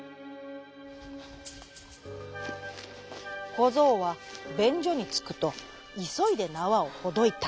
こぞうはべんじょにつくといそいでなわをほどいた。